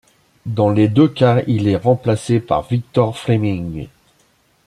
Dans les deux cas il est remplacé par Victor Fleming.